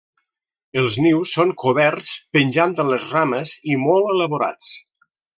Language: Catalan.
Els nius són coberts, penjant de les rames i molt elaborats.